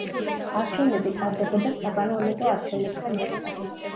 არჩევნები ტარდებოდა საპარლამენტო არჩევნებთან ერთად.